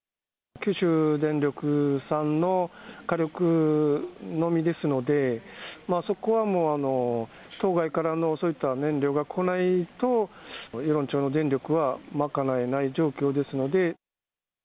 九州電力さんの火力のみですので、そこはもう、島外からの燃料が来ないと、与論町の電力は賄えない状況です